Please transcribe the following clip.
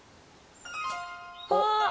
あっ。